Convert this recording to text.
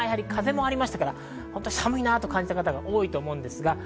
風もありましたから、寒いなと感じた方が多いと思います。